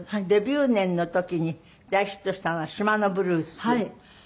デビュー年の時に大ヒットしたのが『島のブルース』。